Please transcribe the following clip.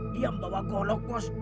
dia membawa golok bos